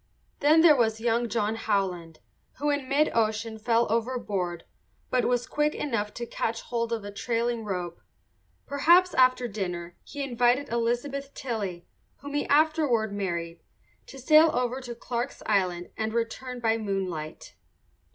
Then there was young John Howland, who in mid ocean fell overboard but was quick enough to catch hold of a trailing rope. Perhaps after dinner he invited Elizabeth Tilley, whom he afterward married, to sail over to Clarke's Island and return by moonlight.